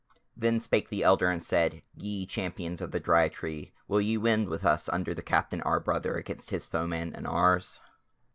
Then spake the Elder and said: "Ye champions of the Dry Tree, will ye wend with us under the Captain our brother against his foemen and ours?"